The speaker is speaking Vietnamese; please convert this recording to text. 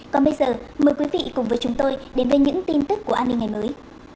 còn bây giờ mời quý vị cùng với chúng tôi đến với những tin tức của an ninh ngày mới